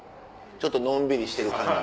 ちょっとのんびりしてる感じ。